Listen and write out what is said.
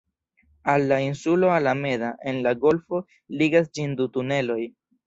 Al la insulo Alameda, en la golfo, ligas ĝin du tuneloj.